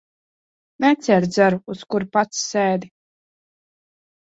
Necērt zaru, uz kura pats sēdi.